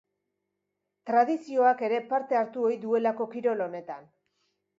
Tradizioak ere parte hartu ohi duelako kirol honetan.